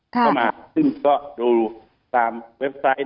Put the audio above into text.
ก็มาซึ่งดูตามเว็บไซต์